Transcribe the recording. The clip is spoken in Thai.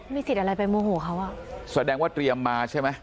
มีสิทธิ์อะไรไปโมโหเขาอ่ะแสดงว่าเตรียมมาใช่ไหม